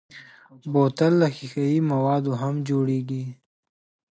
بوتل له ښیښهيي موادو هم جوړېږي.